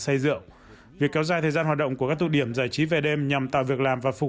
say rượu việc kéo dài thời gian hoạt động của các tụ điểm giải trí về đêm nhằm tạo việc làm và phục